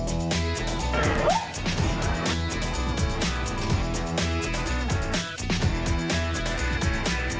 ฉันไม่ขอพูดอะไรมากเดี๋ยวรอดูผล